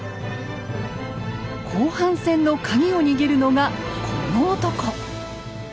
後半戦のカギを握るのがこの男。